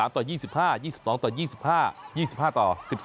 ต่อ๒๕๒๒ต่อ๒๕๒๕ต่อ๑๒